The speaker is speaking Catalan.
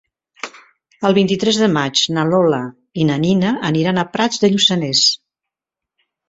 El vint-i-tres de maig na Lola i na Nina aniran a Prats de Lluçanès.